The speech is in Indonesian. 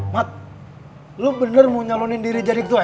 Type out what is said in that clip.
mat lo bener mau nyalonin diri jadi ketua